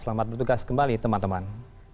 selamat bertugas kembali teman teman